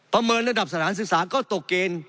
เมินระดับสถานศึกษาก็ตกเกณฑ์